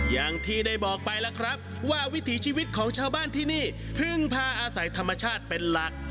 อย่างที่ได้บอกไปแล้วครับว่าวิถีชีวิตของชาวบ้านที่นี่พึ่งพาอาศัยธรรมชาติเป็นหลัก